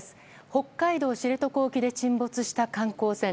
北海道知床沖で沈没した観光船。